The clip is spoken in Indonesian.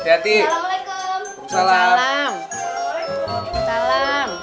siati salam alaikum salam